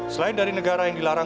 selain dari negara yang dilarang